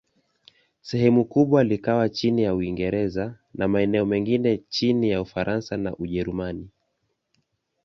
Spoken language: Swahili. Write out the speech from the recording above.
Sehemu kubwa likawa chini ya Uingereza, na maeneo mengine chini ya Ufaransa na Ujerumani.